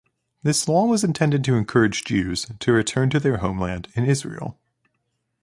This law was intended to encourage Jews to return to their homeland in Israel.